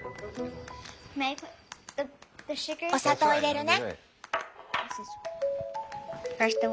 お砂糖入れるね。